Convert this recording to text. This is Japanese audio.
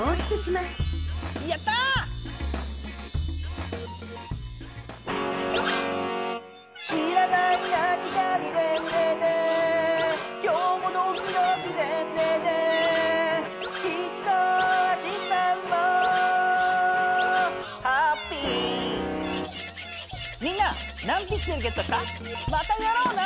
またやろうな！